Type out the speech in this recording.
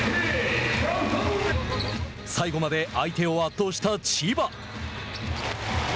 最後まで相手を圧倒した千葉。